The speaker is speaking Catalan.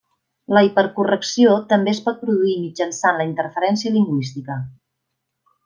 La hipercorrecció també es pot produir mitjançant la interferència lingüística.